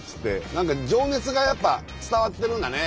情熱がやっぱ伝わってるんだね。